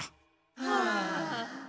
はあ。